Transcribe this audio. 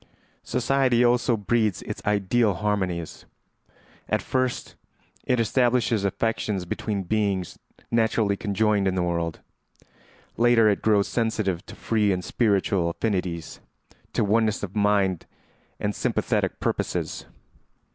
] Society also breeds its ideal harmonies. At first it establishes affections between beings naturally conjoined in the world; later it grows sensitive to free and spiritual affinities, to oneness of mind and sympathetic purposes.